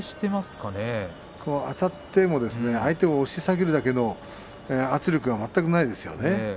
あたっても相手を押し下げるだけの圧力が全くありません。